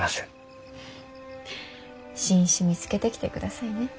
フッ新種見つけてきてくださいね。